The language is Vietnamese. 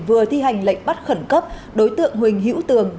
vừa thi hành lệnh bắt khẩn cấp đối tượng huỳnh hữu tường